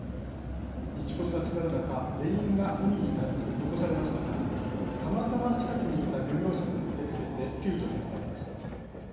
日没が迫る中全員が海に残されましたがたまたま近くにいた漁業者が駆けつけて救助に当たりました。